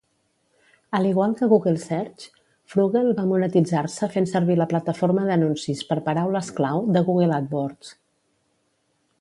Al igual que Google Search, Froogle va monetitzar-se fent servir la plataforma d'anuncis per paraules clau de Google AdWords.